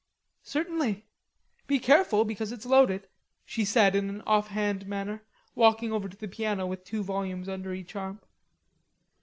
"Certainly. Be careful, because it's loaded," she said in an offhand manner, walking over to the piano with two volumes under each arm.